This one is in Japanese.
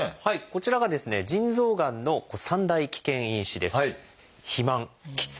こちらがですね腎臓がんの３大危険因子です。